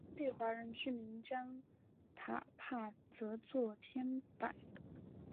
当地华人居民将坦帕译作天柏。